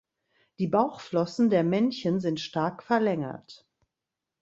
Die Bauchflossen der Männchen sind stark verlängert.